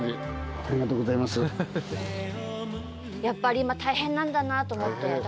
やっぱり今大変なんだなと思って。